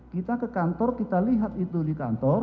kita ke kantor kita lihat itu di kantor